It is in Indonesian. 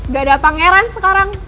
gak ada pangeran sekarang